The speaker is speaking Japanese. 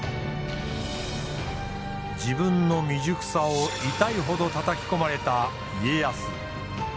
自分の未熟さを痛いほどたたき込まれた家康。